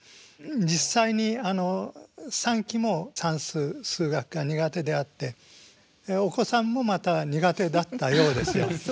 実際に三鬼も算数数学が苦手であってお子さんもまた苦手だったようですよ。